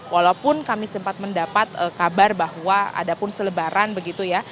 walaupun kami sempat mendapat kabar bahwa ada pun selebaran begitu ya